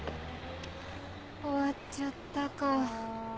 終わっちゃったか。